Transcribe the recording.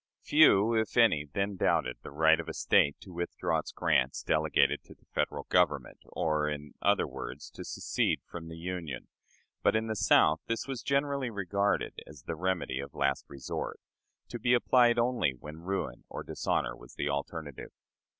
Few, if any, then doubted the right of a State to withdraw its grants delegated to the Federal Government, or, in other words, to secede from the Union; but in the South this was generally regarded as the remedy of last resort, to be applied only when ruin or dishonor was the alternative.